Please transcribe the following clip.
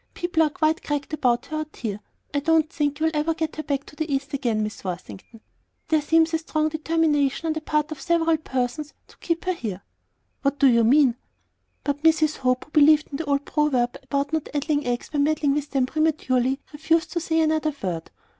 People are quite cracked about her out here. I don't think you'll ever get her back at the East again, Mrs. Worthington. There seems a strong determination on the part of several persons to keep her here." "What do you mean?" But Mrs. Hope, who believed in the old proverb about not addling eggs by meddling with them prematurely, refused to say another word.